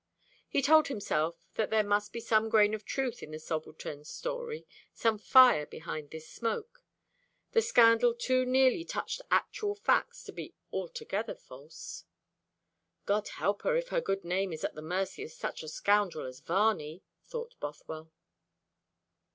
He told himself that there must be some grain of truth in the subaltern's story, some fire behind this smoke. The scandal too nearly touched actual facts to be altogether false. "God help her if her good name is at the mercy of such a scoundrel as Varney!" thought Bothwell.